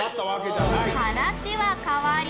話は変わり。